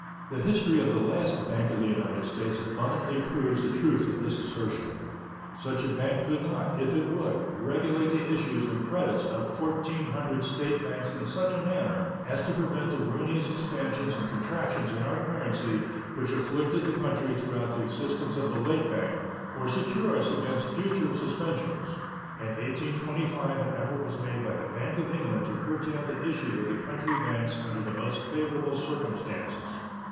The history of the last Bank of the United States abundantly proves the truth of this assertion. Such a bank could not, if it would, regulate the issues and credits of 1,400 State banks in such a manner as to prevent the ruinous expansions and contractions in our currency which afflicted the country throughout the existence of the late bank, or secure us against future suspensions. In 1825 an effort was made by the Bank of England to curtail the issues of the country banks under the most favorable circumstances.